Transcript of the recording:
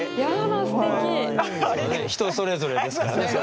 人それぞれですから。